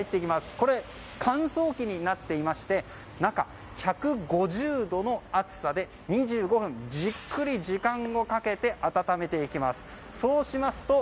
これ、乾燥機になっていまして中、１５０度の熱さで２５分じっくりと時間をかけて温めていきます。